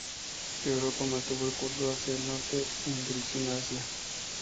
Europa mantuvo el curso hacia el norte en dirección a Asia.